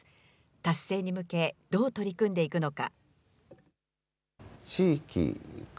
達成に向け、どう取り組んでいくのか。